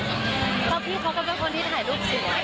เพราะพี่เขาก็เป็นคนที่ถ่ายรูปสวย